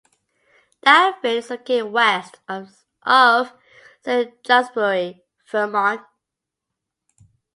Danville is located west of Saint Johnsbury, Vermont.